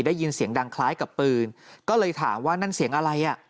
ได้ยินเสียงดังคล้ายกับปืนก็เลยถามว่านั่นเสียงอะไรอ่ะ